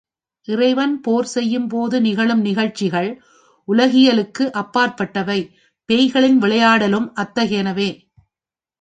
இறைவன் போர் செய்யும் போது நிகழும் நிகழ்ச்சிகள் உலகியலுக்கு அப்பாற்பட்டவை பேய்களின் விளையாடலும் அத்தகையனவே.